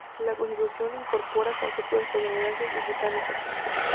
La constitución incorpora conceptos estadounidenses y británicos.